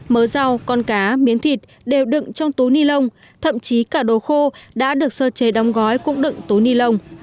mớ rau con cá miếng thịt đều đựng trong túi ni lông thậm chí cả đồ khô đã được sơ chế đóng gói cũng đựng túi ni lông